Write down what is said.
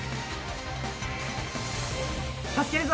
助けるぞ！